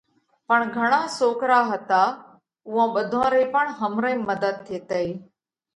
پڻ گھڻا سوڪرا هتا، اُوئون ٻڌون رئِي پڻ همرئيم مڌت ٿيتئي۔